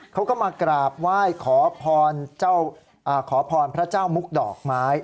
เขาก็มากราบไหว้ขอพรขอพรพระเจ้ามุกดอกไม้